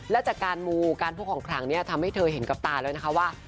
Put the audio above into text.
และจากการมูการพกของครั้งนี้ทำให้เธอเห็นกับตาแล้วนะคะว่า